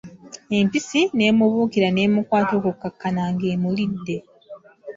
Empisi n'emubuukira n'emukwata okukkakana nga emulidde!